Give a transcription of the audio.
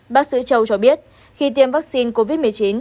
bác sĩ châu cho biết khi tiêm vaccine covid một mươi chín